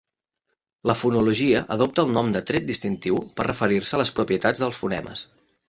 La fonologia adopta el nom de tret distintiu per referir-se a les propietats dels fonemes.